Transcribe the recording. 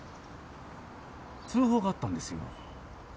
通報があったんですよ。